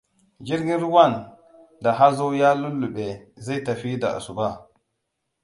Jirgin ruwan, da hazo ya lullube, zai tafi da asuba.